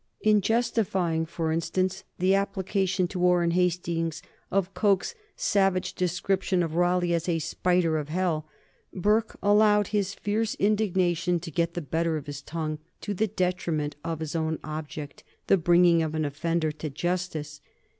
In justifying, for instance, the application to Warren Hastings of Coke's savage description of Raleigh as a "spider of hell," Burke allowed his fierce indignation to get the better of his tongue, to the detriment of his own object, the bringing of an offender to justice.